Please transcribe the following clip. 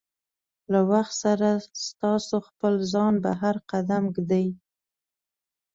له وخت سره ستاسو خپل ځان بهر قدم ږدي.